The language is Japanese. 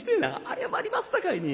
謝りますさかいに。